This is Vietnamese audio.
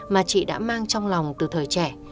mà chị đã mang trong lòng từ thời trẻ